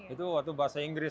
itu waktu bahasa inggris